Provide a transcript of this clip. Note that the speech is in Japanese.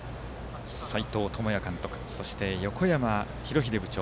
斎藤智也監督そして横山博英部長。